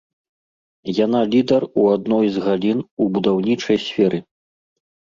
Яна лідар у адной з галін у будаўнічай сферы.